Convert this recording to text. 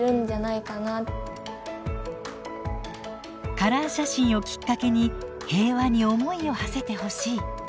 カラー写真をきっかけに平和に思いをはせてほしい。